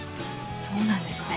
そうなんですね。